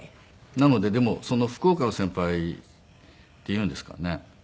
なのででも福岡の先輩っていうんですかね。